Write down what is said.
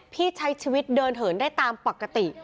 พี่ใช้ชีวิตเดินเหินได้ตามปกติ